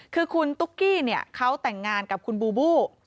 คือคุณตุ๊กกี้เขาแต่งงานกับคุณบูบู